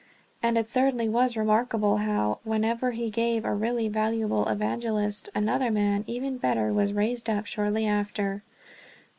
And it certainly was remarkable how, whenever he gave a really valuable evangelist, another man, even better, was raised up shortly after.